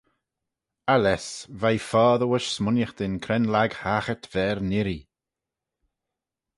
Aless, v'ee foddey voish smooinaghtyn cre'n lhag-haghyrt va er n'irree.